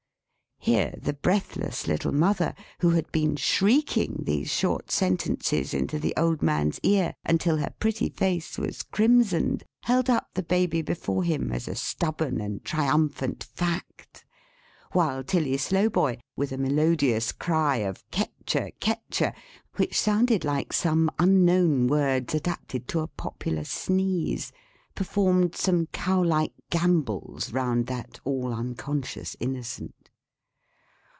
Here the breathless little mother, who had been shrieking these short sentences into the old man's ear, until her pretty face was crimsoned, held up the Baby before him as a stubborn and triumphant fact; while Tilly Slowboy, with a melodious cry of Ketcher, Ketcher which sounded like some unknown words, adapted to a popular Sneeze performed some cow like gambols round that all unconscious Innocent.